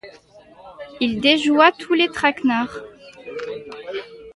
Il déjoua tous les traquenards.